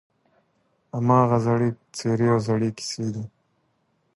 هماغه زړې څېرې او زړې کیسې دي.